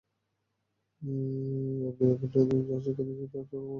আপনি আমাদেরকে যা শিক্ষা দিয়েছেন তা ছাড়া আমাদের তো কোন জ্ঞানই নেই।